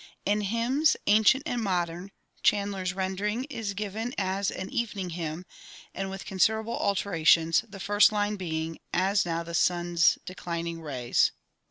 In "Hymns Ancient and Modern" Chandler's rendering is given as an evening hymn, and with considerable alterations, the first line being, "As now the sun's declining rays" (_No.